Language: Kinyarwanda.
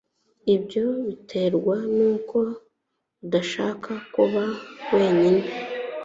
Ibyo biterwa nuko udashaka kuba wenyine